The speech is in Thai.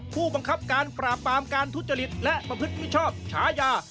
ผู้บังคับการปราบปรามการทุจริตและประพฤติมิชชอบฉายา